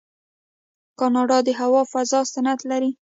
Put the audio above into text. کاناډا د هوا فضا صنعت لري.